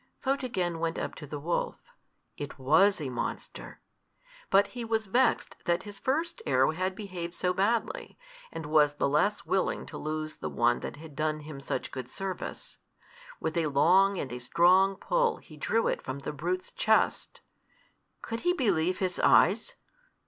Photogen went up to the wolf. It was a monster! But he was vexed that his first arrow had behaved so badly, and was the less willing to lose the one that had done him such good service: with a long and a strong pull he drew it from the brute's chest. Could he believe his eyes?